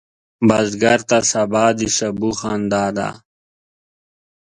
بزګر ته سبا د سبو خندا ده